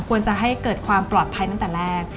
ควรจะให้เกิดความปลอดภัยตั้งแต่แรก